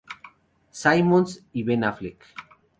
Simmons y Ben Affleck.